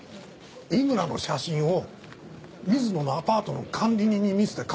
井村の写真を水野のアパートの管理人に見せて確認取ったんですよ。